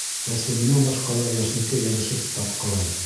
Тәслимәнән башҡалар йәшниккә йәбешеп тартҡылай.